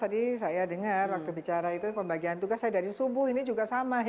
tadi saya dengar waktu bicara itu pembagian tugas saya dari subuh ini juga sama